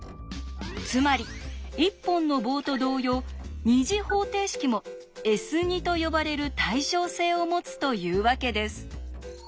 つまり一本の棒と同様２次方程式も「Ｓ」と呼ばれる対称性を持つというわけです。